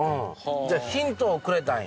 じゃあヒントをくれたんや。